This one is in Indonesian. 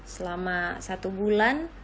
selama satu bulan